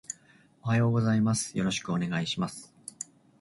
おはようございます。よろしくお願いします